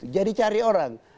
jadi cari orang